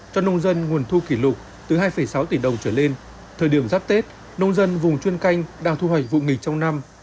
cho nông dân nguồn thu kỷ lục từ hai sáu tỷ đồng trở lên thời điểm giáp tết nông dân vùng chuyên canh đang thu hoạch vụ nghỉ trong năm